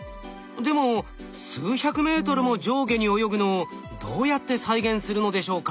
でも数百メートルも上下に泳ぐのをどうやって再現するのでしょうか？